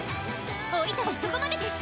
おいたはそこまでです！